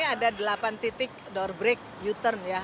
ada delapan titik door break u turn ya